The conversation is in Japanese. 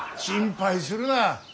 心配するな。